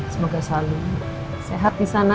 semoga selalu sehat disana